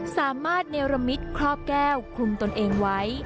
สามารถเนรมิตครอบแก้วคลุมตนเองไว้